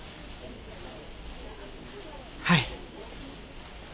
はい。